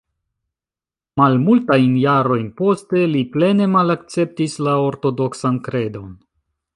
Malmultajn jarojn poste li plene malakceptis la ortodoksan kredon.